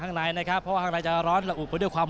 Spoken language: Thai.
เซ็งเผิ้มปูนนะครับ